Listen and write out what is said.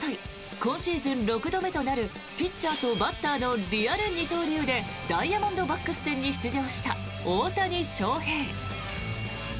今シーズン６度目となるピッチャーとバッターのリアル二刀流でダイヤモンドバックス戦に出場した大谷翔平。